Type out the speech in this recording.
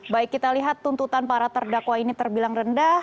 baik kita lihat tuntutan para terdakwa ini terbilang rendah